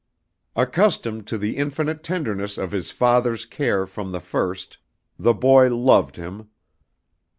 Accustomed to the infinite tenderness of his father's care from the first, the boy loved him.